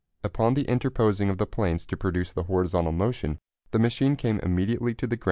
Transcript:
Upon the interposing of the planes to produce the horizontal motion the machine came immediately to the ground.